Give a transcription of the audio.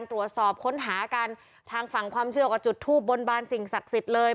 ตรวจสอบค้นหากันทางฝั่งความเชื่อก็จุดทูบบนบานสิ่งศักดิ์สิทธิ์เลย